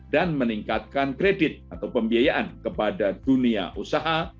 dan meningkatkan kredit atau pembiayaan kepada dunia usaha